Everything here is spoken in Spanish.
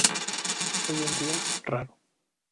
Hoy en día, raro.